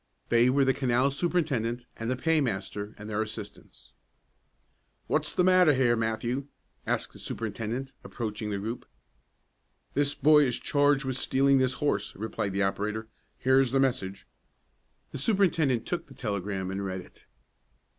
They were the canal superintendent and the paymaster and their assistants. "What's the matter here, Matthew?" asked the superintendent, approaching the group. "This boy is charged with stealing this horse," replied the operator. "Here's the message." The superintendent took the telegram and read it.